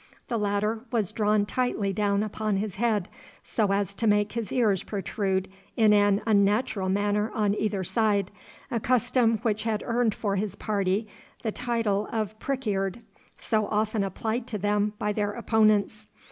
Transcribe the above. The latter was drawn tightly down upon his head, so as to make his ears protrude in an unnatural manner on either side, a custom which had earned for his party the title of 'prickeared,' so often applied to them by their opponents.